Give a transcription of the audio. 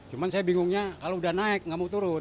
cuma saya bingungnya kalau udah naik nggak mau turun